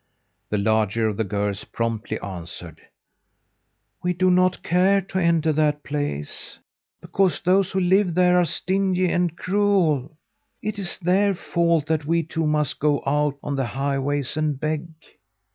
The larger of the girls promptly answered: "We don't care to enter that place, because those who live there are stingy and cruel. It is their fault that we two must go out on the highways and beg."